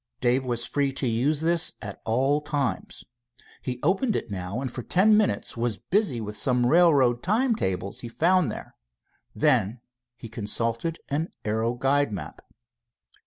Dave was free to use this at all times. He opened it now, and for ten minutes was busy with some railroad time tables he found there. Then he consulted an aero guide map.